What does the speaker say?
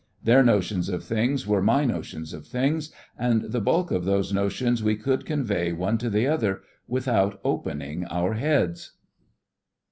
Their notions of things were my notions of things, and the bulk of those notions we could convey one to the other without opening our heads.